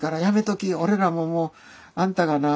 俺らももうあんたがな